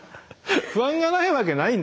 不安がないわけないんで。